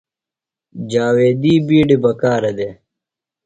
جاویدی بیڈیۡ بکارہ دےۡ۔